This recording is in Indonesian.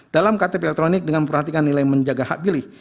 dalam ktp elektronik dengan memperhatikan nilai menjaga hak pilih